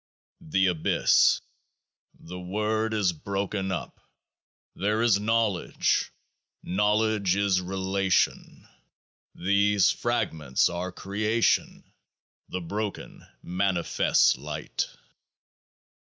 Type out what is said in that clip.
The Abyss The Word is broken up. There is Knowledge. Knowledge is Relation. These fragments are Creation. The broken manifests Light.